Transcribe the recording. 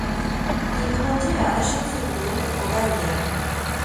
Il grandit à Aschaffenbourg, en Bavière.